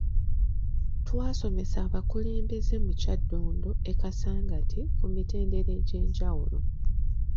Twasomesa abakulembeze mu kyaddondo e Kasangati ku mitendera egy’enjawulo.